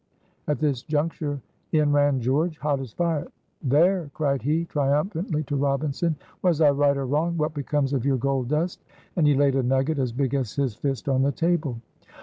At this juncture in ran George, hot as fire. "There!" cried he, triumphantly to Robinson, "was I right or wrong? What becomes of your gold dust?" And he laid a nugget as big as his fist on the table.